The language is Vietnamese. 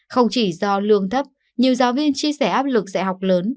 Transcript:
không chỉ do lương thấp nhiều giáo viên chia sẻ áp lực dạy học lớn